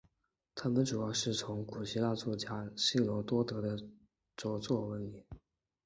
他们主要是从古希腊作家希罗多德的着作闻名。